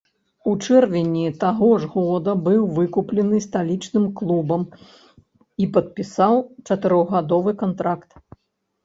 У чэрвені таго ж года быў выкуплены сталічным клубам і падпісаў чатырохгадовы кантракт.